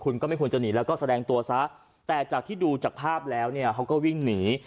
คุณก็ไม่ควรจะหนีแล้วก็แสดงตัวซะแต่จากที่ดูจากภาพแล้วเนี่ยเขาก็วิ่งหนี